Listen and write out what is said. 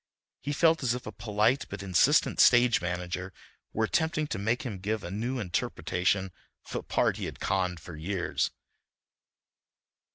He felt as if a polite but insistent stage manager were attempting to make him give a new interpretation of a part he had conned for years.